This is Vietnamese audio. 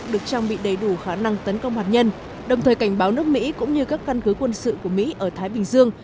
được trang bị đầy đủ khả năng tấn công hạt nhân đồng thời cảnh báo nước mỹ cũng như các căn cứ quân sự của mỹ ở thái bình dương